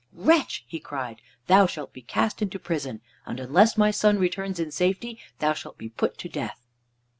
"Wretch," he cried, "thou shalt be cast into prison, and unless my son returns in safety, thou shalt be put to death."